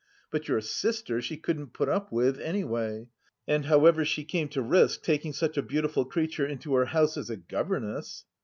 But your sister she couldn't put up with, anyway. And however she came to risk taking such a beautiful creature into her house as a governess.